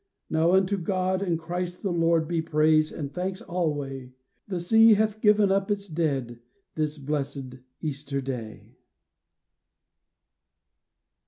" Now unto God and Christ the Lord Be praise and thanks alway !' The sea hath given up its dead This blessed Easter day."